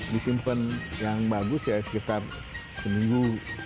disimpan yang bagus ya sekitar seminggu